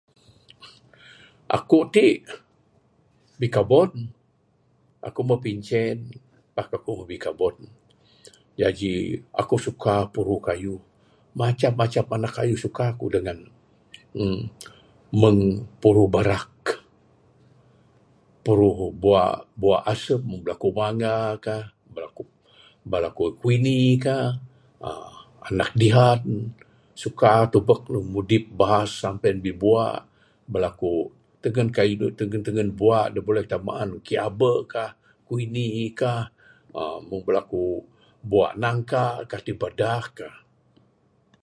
Aku ti bikabon, aku meh pencen, jaji aku suka puruh kayuh. Macam macam anak kayuh suka ku dangan ne. Meng puruh barak, puruh bua bua asem meng bala ku mangga kah bala ku kuini ka uhh anak dihan suka tubek ne mudip bahas smpe ne bibua. Bala ku tengen kayuh da tengen tengen bua, [unintelligible] tengen kiabeg ka, kuini ka, meng bala ku bua nangka ka tibadak ka.